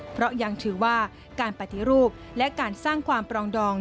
เพราะยังถือว่าการปฏิรูปและการสร้างความปรองดอง